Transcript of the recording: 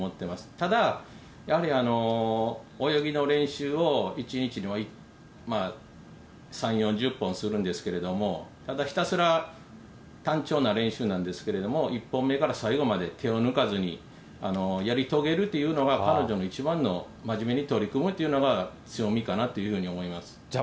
ただやはり泳ぎの練習を１日に３、４０本するんですけど、ただひたすら単調な練習なんですけれども、１本目から最後まで手を抜かずにやり遂げるっていうのが、彼女の一番の真面目に取り組むというのが強みかなっていうふうにじゃあ